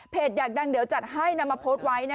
อยากดังเดี๋ยวจัดให้นำมาโพสต์ไว้